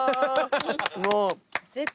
もう。